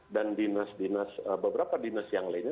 dan beberapa dinas yang lainnya